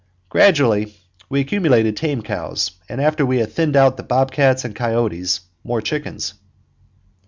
Gradually we accumulated tame cows, and, after we had thinned out the bobcats and coyotes, more chickens.